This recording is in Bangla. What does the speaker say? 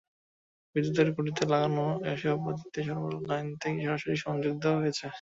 বিদ্যুতের খুঁটিতে লাগানো এসব বাতিতে সরবরাহ লাইন থেকে সরাসরি সংযোগ দেওয়া হয়েছে।